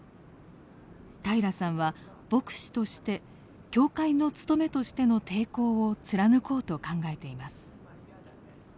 平良さんは牧師として教会のつとめとしての抵抗を貫こうと考えています。